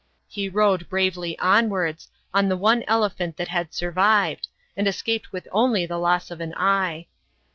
He rode bravely onwards, on the one elephant that had survived, and escaped with only the loss of an eye.